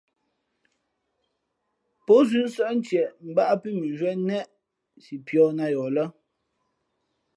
Pózʉ́ nsάʼ ntieʼ mbāʼ pí mʉnzhwíé neʼ si pīᾱ nā yαα lά.